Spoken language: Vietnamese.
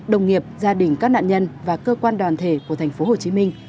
đồng nghiệp gia đình các nạn nhân và cơ quan đoàn thể của thành phố hồ chí minh